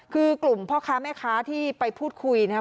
คือกลุ่มพ่อค้าแม่ค้าที่ไปพูดคุยนะครับ